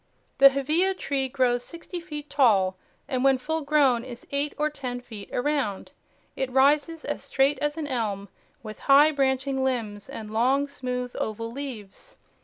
The Hevea tree grows sixty feet tall, and when full grown is eight or ten feet around. It rises as straight as an elm, with high branching limbs and long, smooth oval leaves.